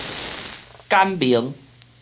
簡明